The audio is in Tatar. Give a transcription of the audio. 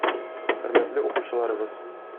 Хөрмәтле укучыларыбыз!